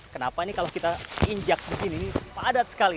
kenapa ini kalau kita injak begini ini padat sekali